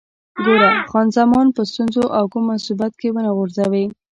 ګوره، خان زمان په ستونزو او کوم مصیبت کې ونه غورځوې.